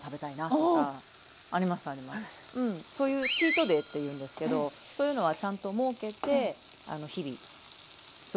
そういうチートデイっていうんですけどそういうのはちゃんと設けて日々過ごしてます。